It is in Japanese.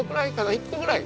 １個ぐらい。